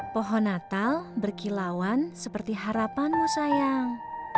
pohon natal berkilauan seperti harapanmu sayang